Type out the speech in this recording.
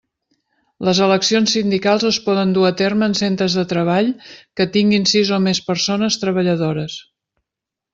Les eleccions sindicals es poden dur a terme en centres de treball que tinguin sis o més persones treballadores.